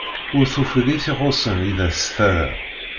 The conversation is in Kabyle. Ur tufiḍ i t-ixuṣṣen, i d as-terra.